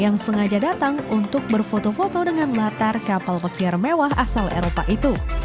yang sengaja datang untuk berfoto foto dengan latar kapal pesiar mewah asal eropa itu